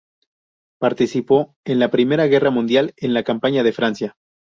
Participó en la Primera Guerra Mundial en la campaña de Francia.